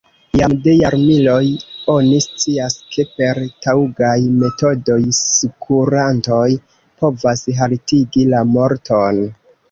Jam de jarmiloj oni scias, ke per taŭgaj metodoj sukurantoj povas haltigi la morton.